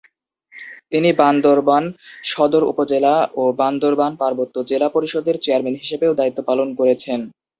তিনি বান্দরবান সদর উপজেলা ও বান্দরবান পার্বত্য জেলা পরিষদের চেয়ারম্যান হিসেবেও দায়িত্ব পালন করেছেন।